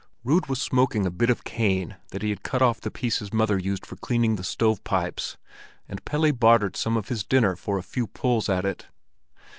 Rud was smoking a bit of cane that he had cut off the piece his mother used for cleaning the stove pipes, and Pelle bartered some of his dinner for a few pulls at it.